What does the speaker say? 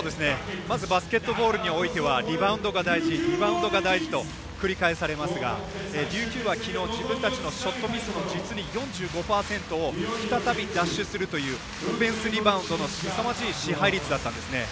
まずバスケットボールにおいてはリバウンドが大事リバウンドが大事と繰り返されますが琉球はきのう自分たちのショットミスの実に４５％を再び奪取するというオフェンスリバウンドのすさまじい支配率だったんですね。